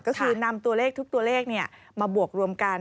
ก็คือนำตัวเลขทุกตัวเลขมาบวกรวมกัน